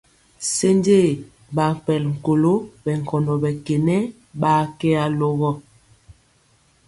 Senje ɓakpɛl kolo ɓɛ nkɔndɔ ɓɛ kenɛ ɓaa kɛ alogɔ.